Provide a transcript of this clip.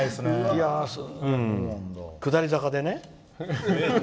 下り坂でね。